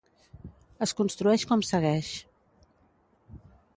Es construeix com segueix.